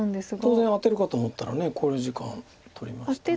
当然アテるかと思ったら考慮時間取りました。